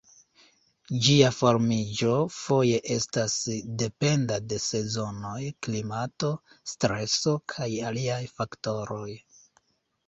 Ĝia formiĝo foje estas dependa de sezonoj, klimato, streso, kaj aliaj faktoroj.